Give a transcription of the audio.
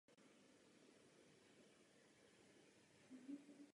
V Evropě bylo mnoho zemědělských statků inspirováno ekonomickými myšlenkami Rudolfa Steinera.